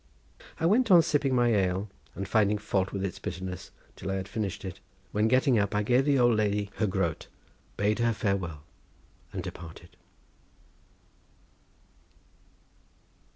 I went on sipping my ale and finding fault with its bitterness till I had finished it, when getting up I gave the old lady her groat, bade her farewell and departed.